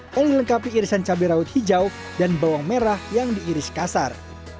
yang dilengkapi irisan cabai rawit hijau dan bawang merah yang diiris kasar